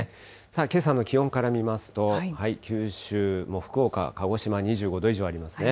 けさの気温から見ますと、九州の福岡、鹿児島２５度以上ありますね。